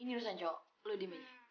ini urusan cowok lo dimanjir